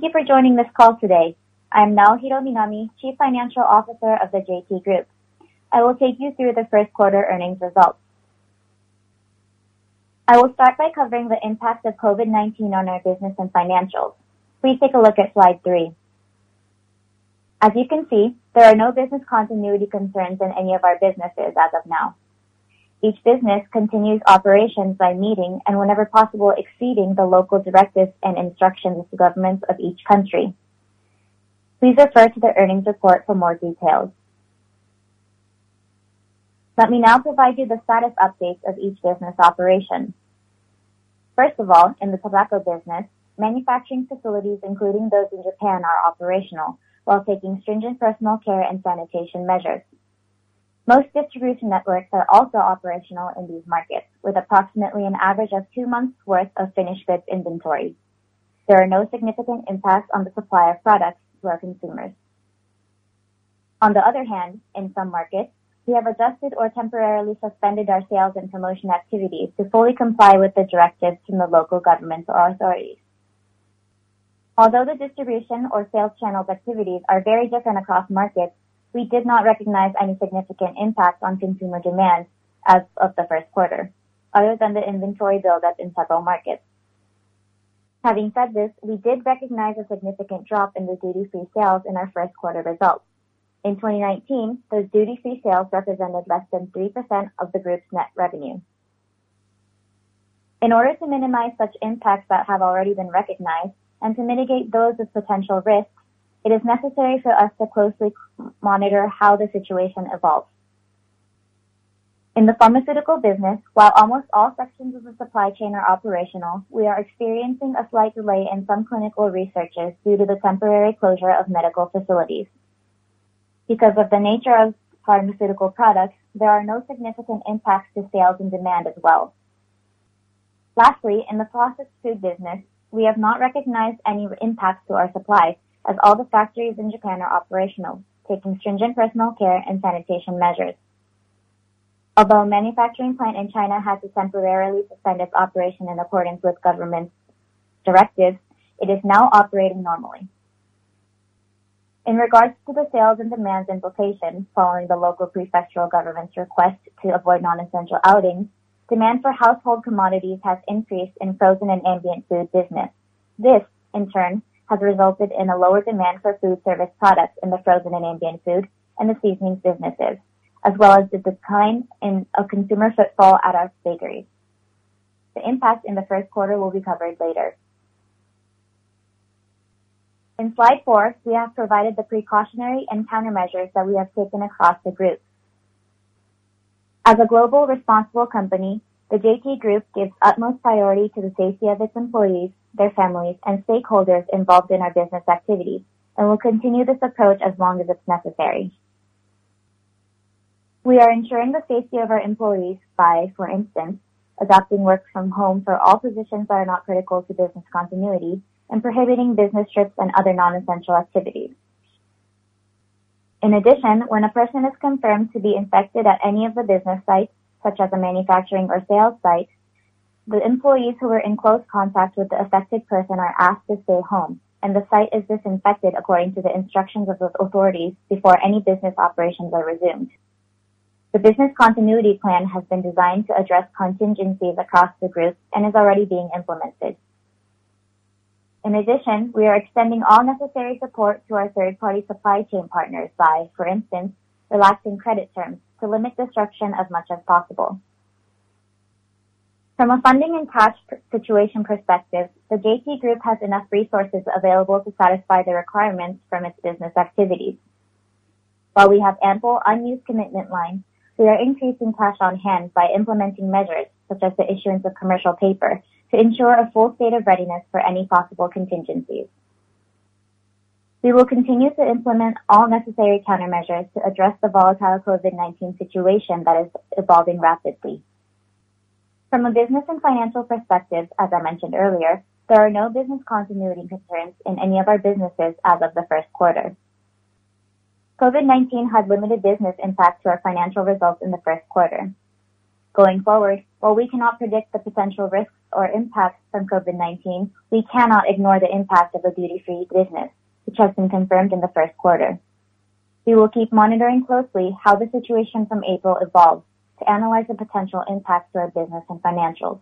Thank you for joining this call today. I'm Naohiro Minami, Chief Financial Officer of the JT Group. I will take you through the first quarter earnings results. I will start by covering the impact of COVID-19 on our business and financials. Please take a look at slide three. As you can see, there are no business continuity concerns in any of our businesses as of now. Each business continues operations by meeting and, whenever possible, exceeding the local directives and instructions of the governments of each country. Please refer to the earnings report for more details. Let me now provide you the status updates of each business operation. First of all, in the tobacco business, manufacturing facilities, including those in Japan, are operational while taking stringent personal care and sanitation measures. Most distribution networks are also operational in these markets, with approximately an average of two months' worth of finished goods inventory. There are no significant impacts on the supply of products to our consumers. On the other hand, in some markets, we have adjusted or temporarily suspended our sales and promotion activities to fully comply with the directives from the local governments or authorities. Although the distribution or sales channels' activities are very different across markets, we did not recognize any significant impacts on consumer demand as of the first quarter, other than the inventory build-up in several markets. Having said this, we did recognize a significant drop in the duty-free sales in our first quarter results. In 2019, those duty-free sales represented less than 3% of the group's net revenue. In order to minimize such impacts that have already been recognized and to mitigate those with potential risks, it is necessary for us to closely monitor how the situation evolves. In the pharmaceutical business, while almost all sections of the supply chain are operational, we are experiencing a slight delay in some clinical researches due to the temporary closure of medical facilities. Because of the nature of pharmaceutical products, there are no significant impacts to sales and demand as well. Lastly, in the processed food business, we have not recognized any impacts to our supplies, as all the factories in Japan are operational, taking stringent personal care and sanitation measures. Although a manufacturing plant in China had to temporarily suspend its operation in accordance with government directives, it is now operating normally. In regards to the sales and demand implications following the local prefectural government's request to avoid nonessential outings, demand for household commodities has increased in frozen and ambient food business. This, in turn, has resulted in a lower demand for food service products in the frozen and ambient food and the seasoning businesses, as well as the decline in consumer footfall at our bakeries. The impacts in the first quarter will be covered later. In slide four, we have provided the precautionary and countermeasures that we have taken across the group. As a global responsible company, the JT Group gives utmost priority to the safety of its employees, their families, and stakeholders involved in our business activities, and will continue this approach as long as it's necessary. We are ensuring the safety of our employees by, for instance, adopting work from home for all positions that are not critical to business continuity and prohibiting business trips and other nonessential activities. In addition, when a person is confirmed to be infected at any of the business sites, such as a manufacturing or sales site, the employees who were in close contact with the affected person are asked to stay home, and the site is disinfected according to the instructions of those authorities before any business operations are resumed. The business continuity plan has been designed to address contingencies across the group and is already being implemented. In addition, we are extending all necessary support to our third-party supply chain partners by, for instance, relaxing credit terms to limit disruption as much as possible. From a funding and cash situation perspective, the JT Group has enough resources available to satisfy the requirements from its business activities. While we have ample unused commitment lines, we are increasing cash on hand by implementing measures such as the issuance of commercial paper to ensure a full state of readiness for any possible contingencies. We will continue to implement all necessary countermeasures to address the volatile COVID-19 situation that is evolving rapidly. From a business and financial perspective, as I mentioned earlier, there are no business continuity concerns in any of our businesses as of the first quarter. COVID-19 had limited business impacts to our financial results in the first quarter. Going forward, while we cannot predict the potential risks or impacts from COVID-19, we cannot ignore the impact of a duty-free business, which has been confirmed in the first quarter. We will keep monitoring closely how the situation from April evolves to analyze the potential impacts to our business and financials.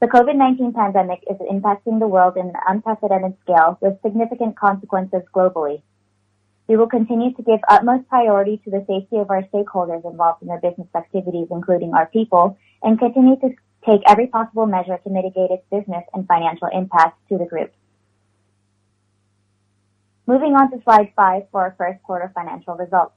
The COVID-19 pandemic is impacting the world in an unprecedented scale, with significant consequences globally. We will continue to give utmost priority to the safety of our stakeholders involved in our business activities, including our people, and continue to take every possible measure to mitigate its business and financial impacts to the group. Moving on to slide five for our first quarter financial results.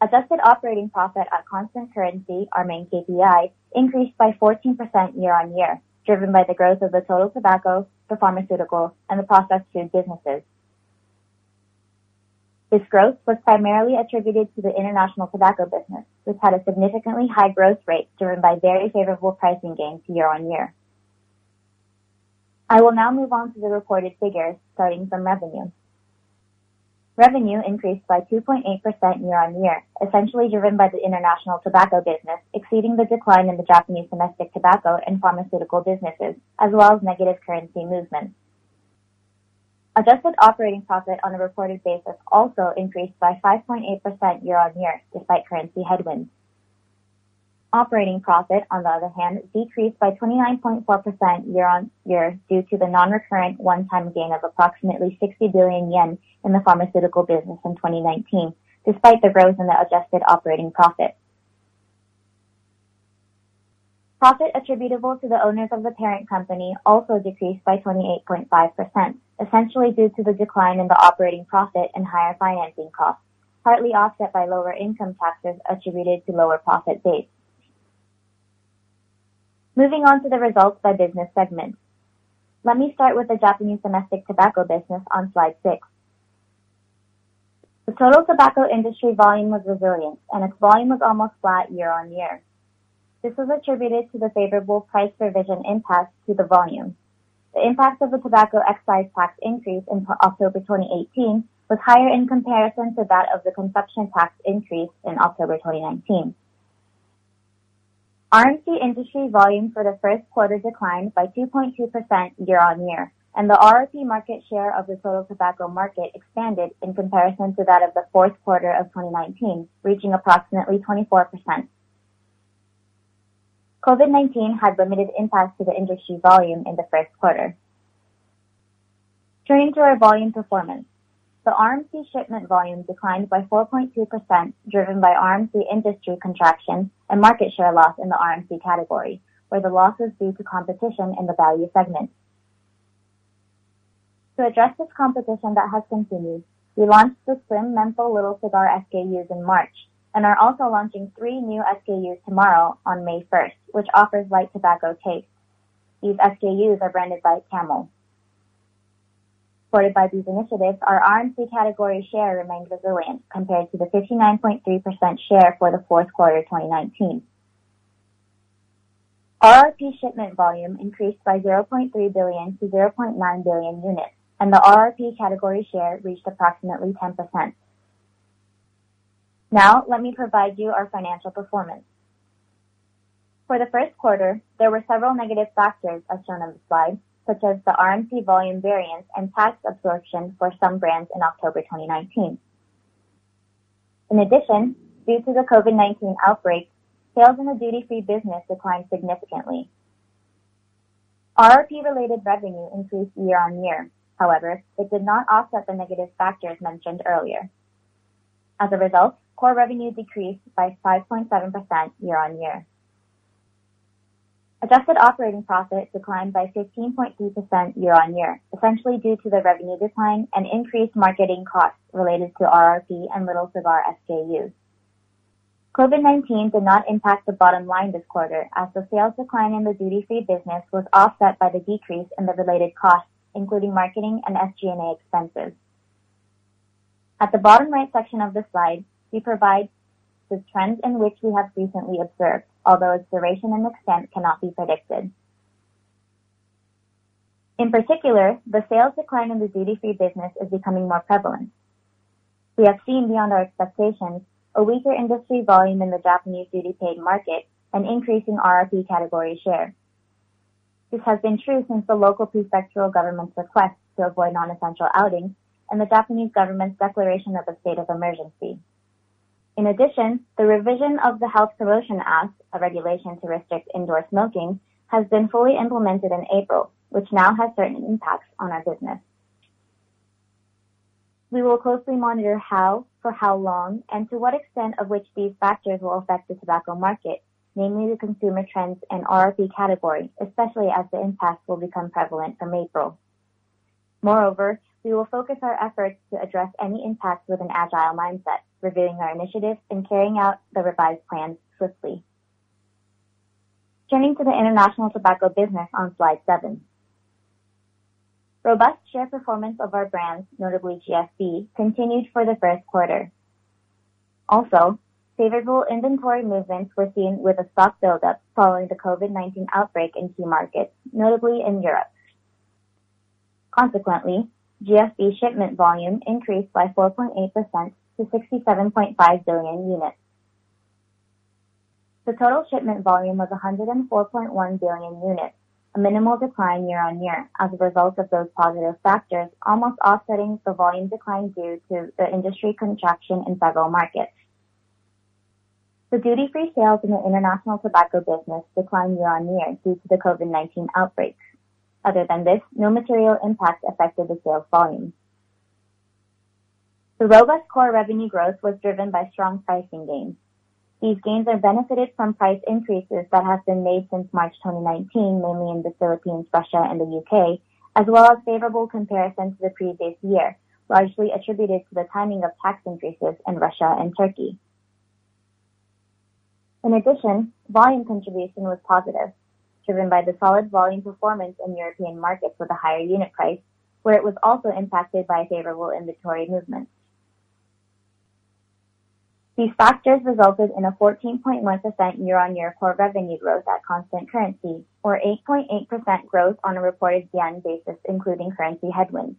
Adjusted operating profit at constant currency, our main KPI, increased by 14% year-on-year, driven by the growth of the total tobacco, the pharmaceutical, and the processed food businesses. This growth was primarily attributed to the international tobacco business, which had a significantly high growth rate driven by very favorable pricing gains year-on-year. I will now move on to the reported figures starting from revenue. Revenue increased by 2.8% year-on-year, essentially driven by the international tobacco business, exceeding the decline in the Japanese domestic tobacco and pharmaceutical businesses, as well as negative currency movements. Adjusted operating profit on a reported basis also increased by 5.8% year-on-year, despite currency headwinds. Operating profit, on the other hand, decreased by 29.4% year-on-year due to the non-recurrent one-time gain of approximately 60 billion yen in the pharmaceutical business in 2019, despite the growth in the adjusted operating profit. Profit attributable to the owners of the parent company also decreased by 28.5%, essentially due to the decline in the operating profit and higher financing costs, partly offset by lower income taxes attributed to lower profit base. Moving on to the results by business segments. Let me start with the Japanese domestic tobacco business on slide six. The total tobacco industry volume was resilient, and its volume was almost flat year-on-year. This was attributed to the favorable price provision impacts to the volume. The impacts of the tobacco excise tax increase in October 2018 were higher in comparison to that of the consumption tax increase in October 2019. RMC industry volume for the first quarter declined by 2.2% year-on-year, and the RRP market share of the total tobacco market expanded in comparison to that of the fourth quarter of 2019, reaching approximately 24%. COVID-19 had limited impacts to the industry volume in the first quarter. Turning to our volume performance, the RMC shipment volume declined by 4.2%, driven by RMC industry contraction and market share loss in the RMC category, where the loss was due to competition in the value segment. To address this competition that has continued, we launched the Slim Menthol Little Cigar SKUs in March and are also launching three new SKUs tomorrow on May 1st, which offers light tobacco taste. These SKUs are branded by Camel. Supported by these initiatives, our RMC category share remained resilient compared to the 59.3% share for the fourth quarter 2019. RRP shipment volume increased by 0.3 billion to 0.9 billion units, and the RRP category share reached approximately 10%. Now, let me provide you our financial performance. For the first quarter, there were several negative factors, as shown on the slide, such as the RRP volume variance and tax absorption for some brands in October 2019. In addition, due to the COVID-19 outbreak, sales in the duty-free business declined significantly. RRP-related revenue increased year-on-year. However, it did not offset the negative factors mentioned earlier. As a result, core revenue decreased by 5.7% year-on-year. Adjusted operating profit declined by 15.3% year-on-year, essentially due to the revenue decline and increased marketing costs related to RRP and Little Cigar SKUs. COVID-19 did not impact the bottom line this quarter, as the sales decline in the duty-free business was offset by the decrease in the related costs, including marketing and SG&A expenses. At the bottom right section of the slide, we provide the trends in which we have recently observed, although its duration and extent cannot be predicted. In particular, the sales decline in the duty-free business is becoming more prevalent. We have seen, beyond our expectations, a weaker industry volume in the Japanese duty-paid market and increasing RRP category share. This has been true since the local prefectural government's request to avoid nonessential outings and the Japanese government's declaration of a state of emergency. In addition, the revision of the Health Promotion Act, a regulation to restrict indoor smoking, has been fully implemented in April, which now has certain impacts on our business. We will closely monitor how, for how long, and to what extent these factors will affect the tobacco market, namely the consumer trends and RRP category, especially as the impacts will become prevalent from April. Moreover, we will focus our efforts to address any impacts with an agile mindset, reviewing our initiatives and carrying out the revised plans swiftly. Turning to the international tobacco business on slide seven, robust share performance of our brands, notably GFB, continued for the first quarter. Also, favorable inventory movements were seen with a stock build-up following the COVID-19 outbreak in key markets, notably in Europe. Consequently, GFB shipment volume increased by 4.8% to 67.5 billion units. The total shipment volume was 104.1 billion units, a minimal decline year-on-year as a result of those positive factors almost offsetting the volume decline due to the industry contraction in several markets. The duty-free sales in the international tobacco business declined year-on-year due to the COVID-19 outbreak. Other than this, no material impact affected the sales volume. The robust core revenue growth was driven by strong pricing gains. These gains are benefited from price increases that have been made since March 2019, mainly in the Philippines, Russia, and the U.K., as well as favorable comparison to the previous year, largely attributed to the timing of tax increases in Russia and Turkey. In addition, volume contribution was positive, driven by the solid volume performance in European markets with a higher unit price, where it was also impacted by favorable inventory movements. These factors resulted in a 14.1% year-on-year core revenue growth at constant currency, or 8.8% growth on a reported yen basis, including currency headwinds.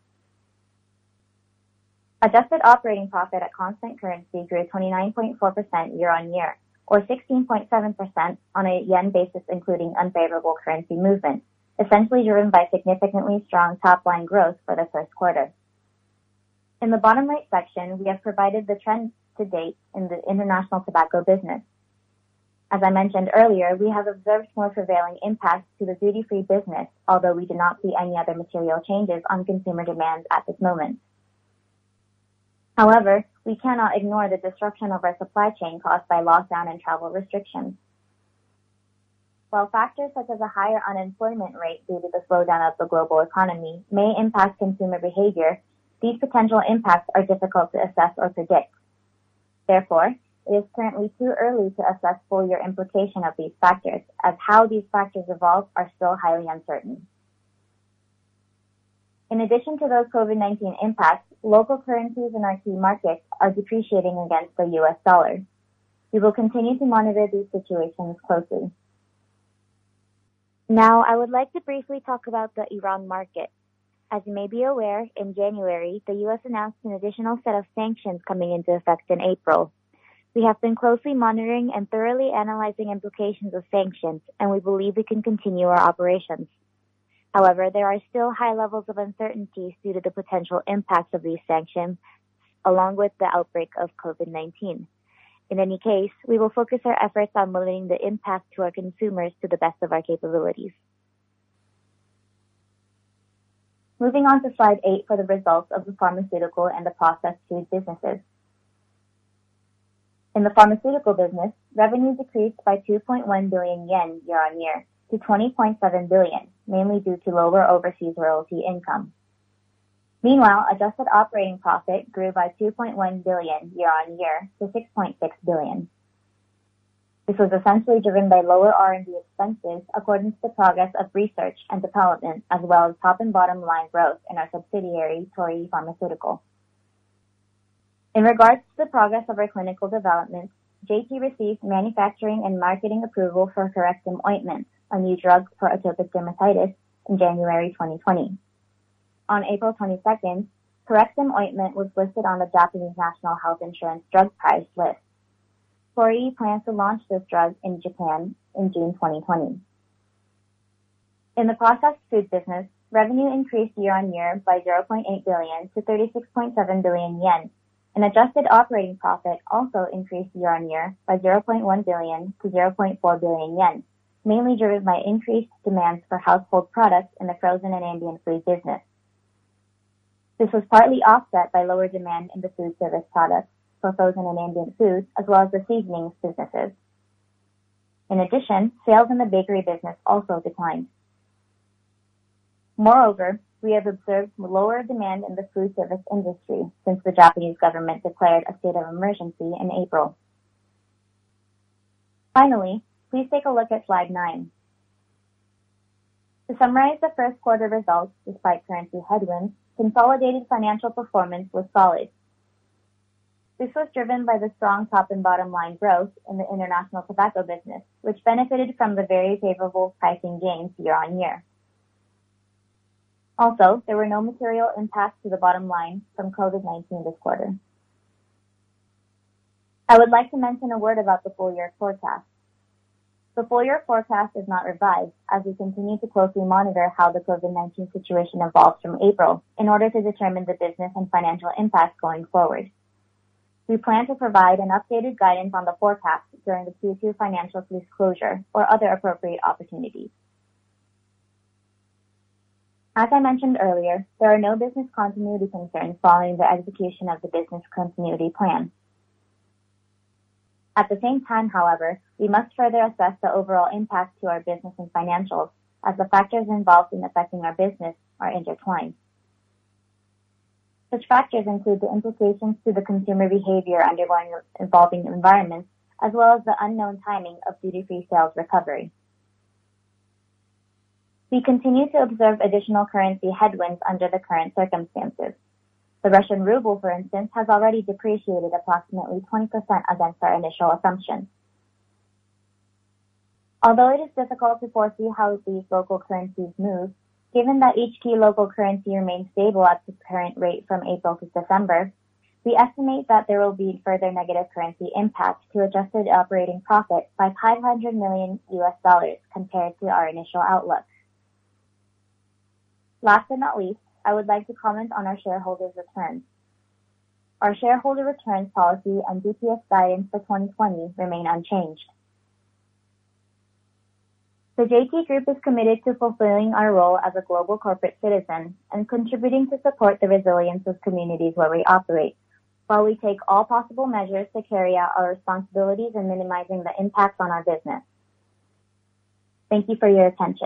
Adjusted operating profit at constant currency grew 29.4% year-on-year, or 16.7% on a yen basis, including unfavorable currency movement, essentially driven by significantly strong top-line growth for the first quarter. In the bottom right section, we have provided the trends to date in the international tobacco business. As I mentioned earlier, we have observed more prevailing impacts to the duty-free business, although we do not see any other material changes on consumer demand at this moment. However, we cannot ignore the disruption of our supply chain caused by lockdown and travel restrictions. While factors such as a higher unemployment rate due to the slowdown of the global economy may impact consumer behavior, these potential impacts are difficult to assess or predict. Therefore, it is currently too early to assess full-year implication of these factors, as how these factors evolve are still highly uncertain. In addition to those COVID-19 impacts, local currencies in our key markets are depreciating against the U.S. dollar. We will continue to monitor these situations closely. Now, I would like to briefly talk about the Iran market. As you may be aware, in January, the U.S. announced an additional set of sanctions coming into effect in April. We have been closely monitoring and thoroughly analyzing implications of sanctions, and we believe we can continue our operations. However, there are still high levels of uncertainty due to the potential impacts of these sanctions, along with the outbreak of COVID-19. In any case, we will focus our efforts on limiting the impact to our consumers to the best of our capabilities. Moving on to slide eight for the results of the pharmaceutical and the processed food businesses. In the pharmaceutical business, revenue decreased by 2.1 billion yen year-on-year to 20.7 billion, mainly due to lower overseas royalty income. Meanwhile, adjusted operating profit grew by 2.1 billion year-on-year to 6.6 billion. This was essentially driven by lower R&D expenses according to the progress of research and development, as well as top and bottom line growth in our subsidiary, Torii Pharmaceutical. In regards to the progress of our clinical development, JT received manufacturing and marketing approval for Corectim ointment, a new drug for atopic dermatitis, in January 2020. On April 22nd, Corectim ointment was listed on the Japanese National Health Insurance Drug Price List. Torii plans to launch this drug in Japan in June 2020. In the processed food business, revenue increased year-on-year by 0.8 billion to 36.7 billion yen, and adjusted operating profit also increased year-on-year by 0.1 billion to 0.4 billion yen, mainly driven by increased demands for household products in the frozen and ambient food business. This was partly offset by lower demand in the food service products for frozen and ambient foods, as well as the seasonings businesses. In addition, sales in the bakery business also declined. Moreover, we have observed lower demand in the food service industry since the Japanese government declared a state of emergency in April. Finally, please take a look at slide nine. To summarize the first quarter results, despite currency headwinds, consolidated financial performance was solid. This was driven by the strong top and bottom line growth in the international tobacco business, which benefited from the very favorable pricing gains year-on-year. Also, there were no material impacts to the bottom line from COVID-19 this quarter. I would like to mention a word about the full year forecast. The full year forecast is not revised, as we continue to closely monitor how the COVID-19 situation evolves from April in order to determine the business and financial impacts going forward. We plan to provide an updated guidance on the forecast during the Q2 financials' disclosure or other appropriate opportunities. As I mentioned earlier, there are no business continuity concerns following the execution of the business continuity plan. At the same time, however, we must further assess the overall impact to our business and financials, as the factors involved in affecting our business are intertwined. Such factors include the implications to the consumer behavior undergoing evolving environments, as well as the unknown timing of duty-free sales recovery. We continue to observe additional currency headwinds under the current circumstances. The Russian ruble, for instance, has already depreciated approximately 20% against our initial assumption. Although it is difficult to foresee how these local currencies move, given that each key local currency remains stable at the current rate from April to December, we estimate that there will be further negative currency impacts to adjusted operating profit by $500 million compared to our initial outlook. Last but not least, I would like to comment on our shareholders' returns. Our shareholder returns policy and DPS guidance for 2020 remain unchanged. The JT Group is committed to fulfilling our role as a global corporate citizen and contributing to support the resilience of communities where we operate, while we take all possible measures to carry out our responsibilities in minimizing the impacts on our business. Thank you for your attention.